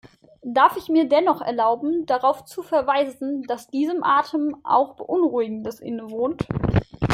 Darf ich mir dennoch erlauben, darauf zu verweisen, dass diesem Atem auch Beunruhigendes innewohnt.